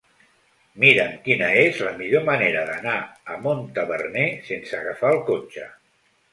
Mira'm quina és la millor manera d'anar a Montaverner sense agafar el cotxe.